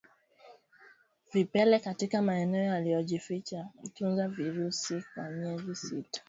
Vipele katika maeneo yaliyojificha hutunza virusi kwa miezi sita